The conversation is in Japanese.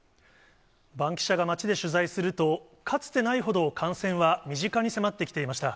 バンキシャが街で取材すると、かつてないほど感染は身近に迫ってきていました。